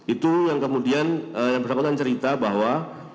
itu yang kemudian yang bersangkutan cerita bahwa